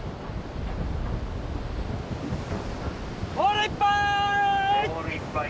ポールいっぱい！